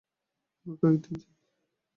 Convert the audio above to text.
এমন কয়েক দিন যায়।